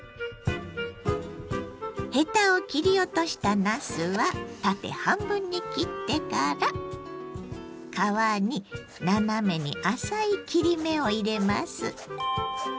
ヘタを切り落としたなすは縦半分に切ってから皮に斜めに浅い切り目を入れます。